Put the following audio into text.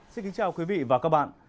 xin kính chào quý vị và các bạn